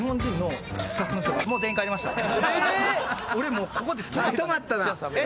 俺もうここで止まったね。